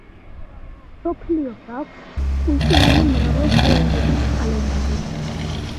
მსოფლიოს აქვს კულტურული მრავალფეროვნების კალენდარი